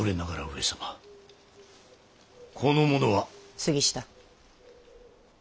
杉下。